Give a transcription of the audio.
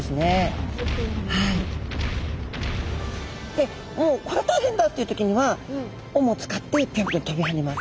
でもう「これは大変だ！」っていう時には尾も使ってぴょんぴょん飛び跳ねます。